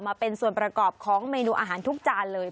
มาเป็นส่วนประกอบของเมนูอาหารทุกจานเลย